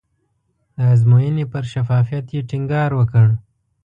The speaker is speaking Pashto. د ازموینې پر شفافیت یې ټینګار وکړ.